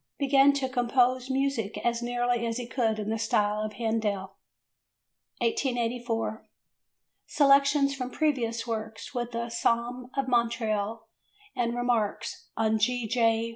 Began to compose music as nearly as he could in the style of Handel. 1884. Selections from Previous Works with "A Psalm of Montreal" and "Remarks on G. J.